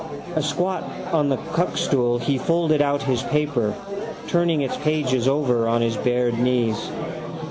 Asquat on the cuckstool he folded out his paper, turning its pages over on his bared knees.